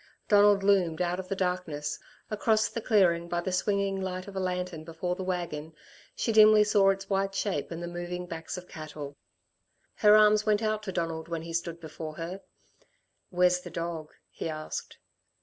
Donald loomed out of the darkness. Across the clearing, by the swinging light of a lantern before the wagon, she dimly saw its white shape, and the moving backs of cattle. Her arms went out to Donald when he stood before her. "Where's the dog?" he asked.